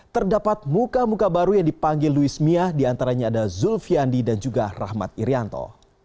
terdapat muka muka baru yang dipanggil luis mia diantaranya ada zulfiandi dan juga rahmat irianto